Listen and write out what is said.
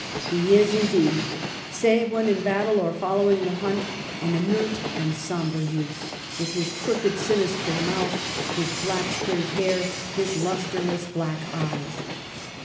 He is, indeed, save when in battle or following the hunt, an inert and sombre youth, with his crooked, sinister mouth, his black, straight hair, his lustreless, black eyes.